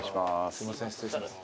すみません失礼します